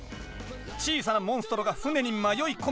小さなモンストロが船に迷い込み